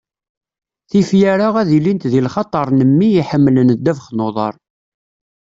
ifyar-a ad ilint di lxaṭer n mmi iḥemmlen ddabex n uḍar.